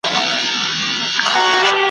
پر بچیو مو ماړه خرامان ګرځي ,